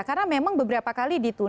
karena memang beberapa kali ditunda